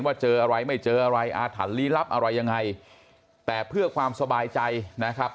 เจออะไรไม่เจออะไรอาถรรพ์ลี้ลับอะไรยังไงแต่เพื่อความสบายใจนะครับ